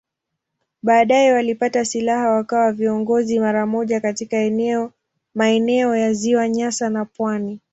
Baadaye walipata silaha wakawa viongozi mara moja katika maeneo ya Ziwa Nyasa na pwani.